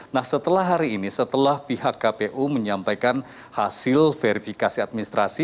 nah setelah hari ini setelah pihak kpu menyampaikan hasil verifikasi administrasi